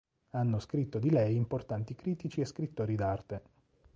Hanno scritto di lei importanti critici e scrittori d'arte.